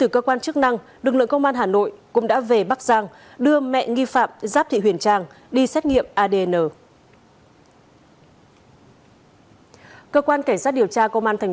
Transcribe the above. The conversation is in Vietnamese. cơ quan chức năng đang làm các thủ tục để xác định thi thể nói trên cóc sát hại bé gái hai tuổi ở hà nội hay không